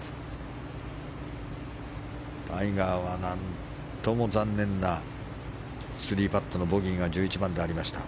タイガーは、何とも残念な３パットのボギーが１１番でありました。